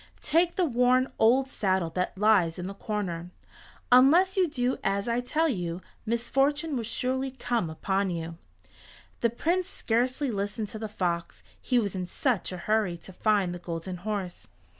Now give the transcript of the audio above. Take the worn old saddle that lies in the corner. Unless you do as I tell you misfortune will surely come upon you." The Prince scarcely listened to the fox, he was in such a hurry to find the Golden Horse.